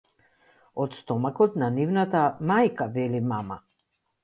Од стомакот на нивната мајка, вели мама.